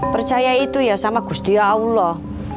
percaya itu ya sama gustia allah